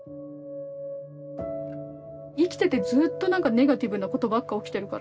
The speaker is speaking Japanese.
生きててずっとなんかネガティブなことばっか起きてるから。